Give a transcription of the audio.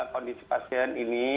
kondisi pasien ini